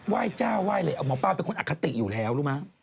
เจ้าไหว้เลยเอาหมอป้าเป็นคนอคติอยู่แล้วรู้ไหม